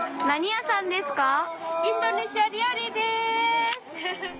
何屋さんですか？